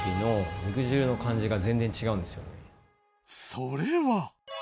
それは。